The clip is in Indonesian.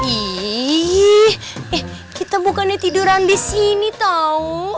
eh kita bukannya tiduran di sini tau